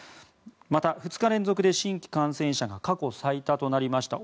また、２日連続で新規感染者が過去最多となりました